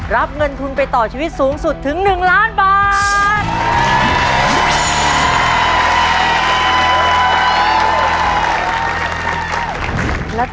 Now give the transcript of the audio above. รับเงินทุนไปต่อชีวิตสูงสุดถึง๑ล้านบาท